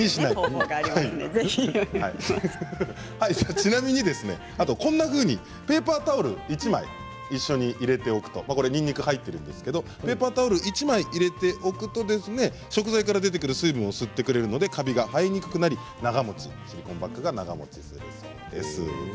ちなみにこんなふうにペーパータオル１枚一緒に入れておくとにんにくが入っているんですけどペーパータオルを１枚入れておくと食材から出てくる水分を吸ってくれるのでカビが生えにくくなりシリコンバッグが長もちするそうです。